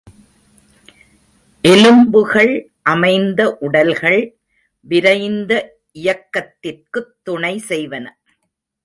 எலும்புகள் அமைந்த உடல்கள் விரைந்த இயக்கத்திற்குத் துணை செய்வன.